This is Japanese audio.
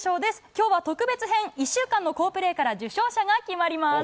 きょうは特別編、１週間の好プレーから受賞者が決まります。